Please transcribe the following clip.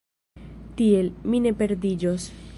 Tiel, mi ne perdiĝos.